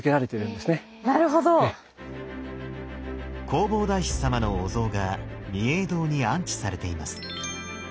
弘法大師様のお像が御影堂に安置されています。